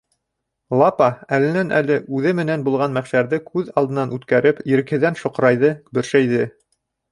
Лапа әленән-әле үҙе менән булған мәхшәрҙе күҙ алдынан үткәреп, ирекһеҙҙән шоҡрайҙы, бөршәйҙе.